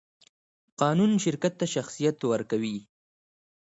قانون شرکت ته شخصیت ورکوي.